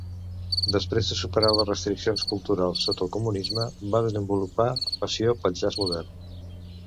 Després de superar les restriccions culturals sota el comunisme, va desenvolupar passió pel jazz modern.